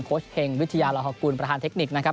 เฮงวิทยาลาฮกุลประธานเทคนิคนะครับ